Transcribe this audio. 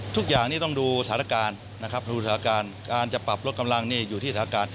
ทุกอย่างนี้ต้องดูสถานการณ์นะครับดูสถานการณ์การจะปรับลดกำลังนี่อยู่ที่สถานการณ์